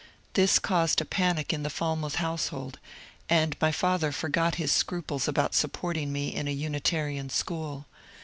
This caused a panic in the Fahnouth household, and my father forgot his scruples about supporting me in a Unitarian school.